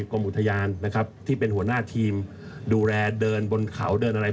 กรมอุทยานนะครับที่เป็นหัวหน้าทีมดูแลเดินบนเขาเดินอะไร